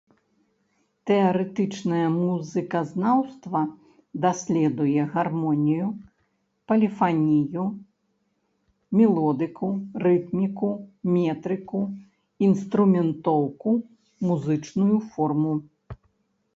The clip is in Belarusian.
Тэарэтычнае музыказнаўства даследуе гармонію, поліфанію, мелодыку, рытміку, метрыку, інструментоўку, музычную форму.